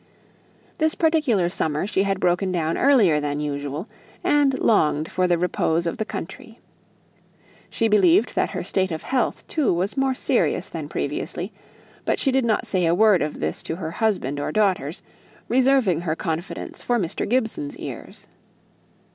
This particular summer she had broken down earlier than usual, and longed for the repose of the country. She believed that her state of health, too, was more serious than previously; but she did not say a word of this to her husband or daughters; reserving her confidence for Mr. Gibson's ears.